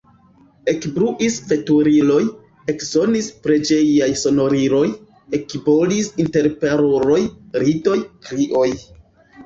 Ekbruis veturiloj, eksonis preĝejaj sonoriloj, ekbolis interparoloj, ridoj, krioj.